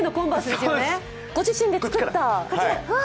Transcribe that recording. ご自身で作った。